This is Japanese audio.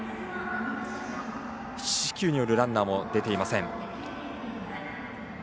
四死球によるランナーも出ていません。